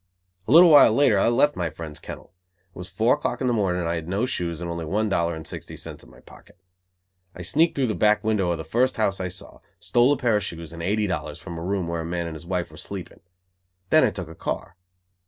A little while later I left my friend's kennel. It was four o'clock in the morning and I had no shoes on and only one dollar and sixty cents in my pocket. I sneaked through the back window of the first house I saw, stole a pair of shoes and eighty dollars from a room where a man and his wife were sleeping. Then I took a car.